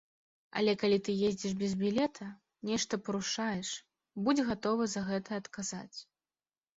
Але калі ты едзеш без білета, нешта парушаеш, будзь гатовы за гэта адказаць.